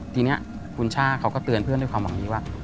ทีนี้คุณช่าเขาก็เตือนเพื่อนด้วยความหวังดีว่า